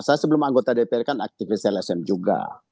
saya sebelum anggota dpr kan aktivis lsm juga